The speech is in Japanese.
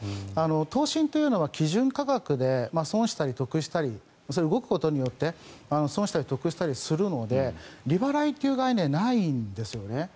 投信というのは基準価格で損したり得したり動くことによって存したり得したりするので利払いという概念はないんですよね。